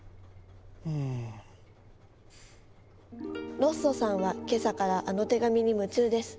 ロッソさんは今朝からあの手紙に夢中です。